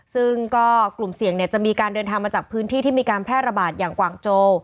ซึ่งก็กลุ่มเสี่ยงจะมีการเดินทางมาจากพื้นที่ที่มีการแพร่ระบาดอย่างกว่างโจ